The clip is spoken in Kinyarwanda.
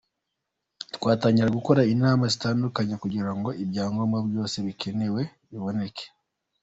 Twatangiye gukora inama zitandukanye kugira ngo ibyangombwa byose bikenewe biboneke.